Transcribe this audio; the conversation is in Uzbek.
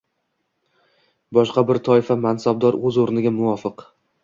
Boshqa bir toifa mansabdor o‘z o‘rniga muvofiq.